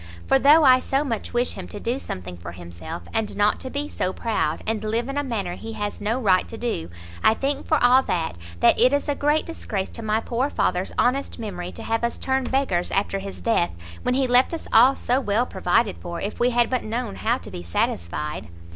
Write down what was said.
For though I so much wish him to do something for himself, and not to be so proud, and live in a manner he has no right to do, I think, for all that, that it is a great disgrace to my' poor father's honest memory, to have us turn beggars after his death, when he left us all so well provided for, if we had but known how to be satisfied."